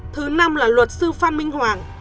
thứ năm là luật sư phan minh hoàng